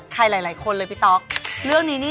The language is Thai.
หลายหลายคนเลยพี่ต๊อกเรื่องนี้นี่